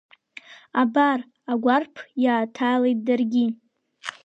Абар, агәарԥ иааҭалеит даргьы.